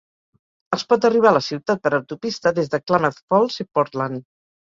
Es pot arribar a la ciutat per autopista des de Klamath Falls i Portland.